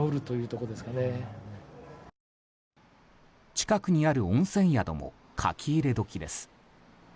近くにある温泉宿も書き入れ時です。